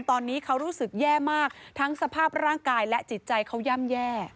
ตอนนี้เขารู้สึกแย่มากทั้งสภาพร่างกายและจิตใจเขาย่ำแย่